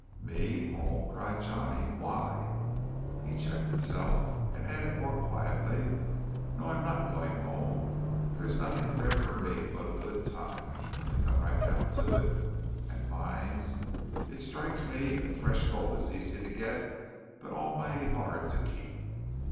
"Me, home?" cried Johnny; "why " he checked himself, and added more quietly. "No, I'm not going home. There's nothing there for me but a good time, when you come right down to it. And mines? It strikes me that fresh gold is easy to get, but almighty hard to keep."